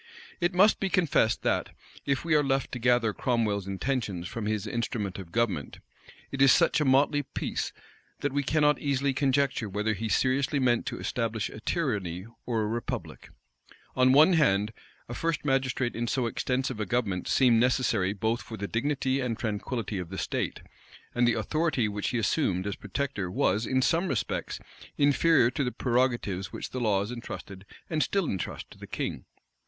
It must be confessed that, if we are left to gather Cromwell's intentions from his instrument of government, it is such a motley piece, that we cannot easily conjecture whether he seriously meant to establish a tyranny or a republic. On one hand, a first magistrate in so extensive a government seemed necessary both for the dignity and tranquillity of the state; and the authority which he assumed as protector was, in some respects, inferior to the prerogatives which the laws intrusted and still intrust to the king.